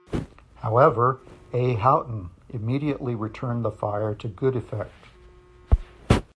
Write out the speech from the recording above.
However, "A. Houghton" immediately returned the fire to good effect.